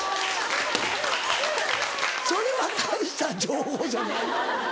それは大した情報じゃない。